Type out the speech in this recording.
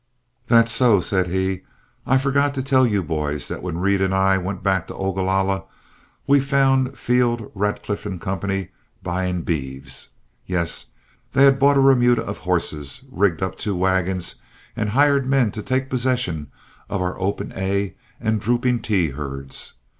"That's so," said he; "I forgot to tell you boys that when Reed and I went back to Ogalalla, we found Field, Radcliff & Co. buying beeves. Yes, they had bought a remuda of horses, rigged up two wagons, and hired men to take possession of our 'Open A' and 'Drooping T' herds.